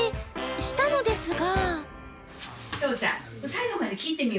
したのですが。